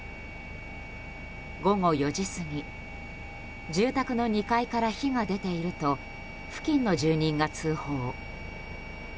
午後４時過ぎ住宅の２階から火が出ていると付近の住人が通報。